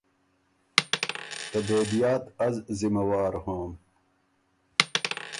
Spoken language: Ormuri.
ته بېدیات از ذمه وارم۔